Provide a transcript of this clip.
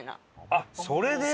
あっそれで？